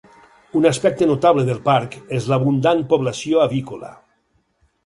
Un aspecte notable del parc és l'abundant població avícola.